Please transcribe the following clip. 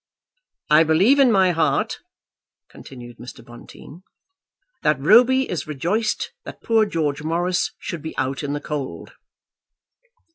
"I believe in my heart," continued Mr. Bonteen, "that Roby is rejoiced that poor George Morris should be out in the cold."